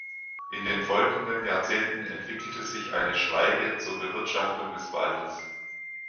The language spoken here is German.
In den folgenden Jahrzehnten entwickelte sich eine Schwaige zur Bewirtschaftung des Waldes.